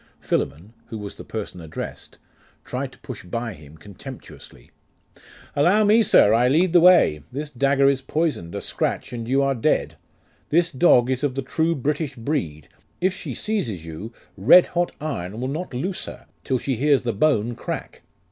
Philammon, who was the person addressed, tried to push by him contemptuously. 'Allow me, sir. I lead the way. This dagger is poisoned, a scratch and you are dead. This dog is of the true British breed; if she seizes you, red hot iron will not loose her, till she hears the bone crack.